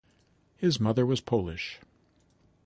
His mother was Polish.